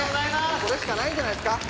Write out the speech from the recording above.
これしかないんじゃないですか。